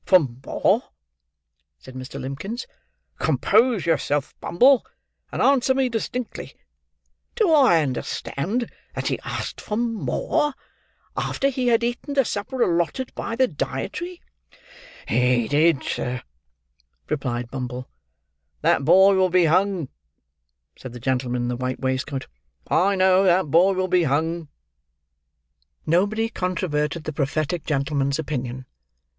"For more!" said Mr. Limbkins. "Compose yourself, Bumble, and answer me distinctly. Do I understand that he asked for more, after he had eaten the supper allotted by the dietary?" "He did, sir," replied Bumble. "That boy will be hung," said the gentleman in the white waistcoat. "I know that boy will be hung." Nobody controverted the prophetic gentleman's opinion.